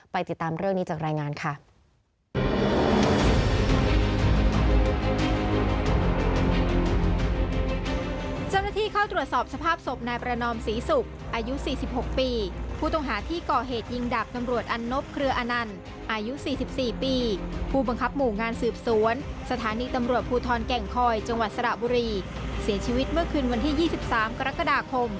ติดตามเรื่องนี้จากรายงานค่ะ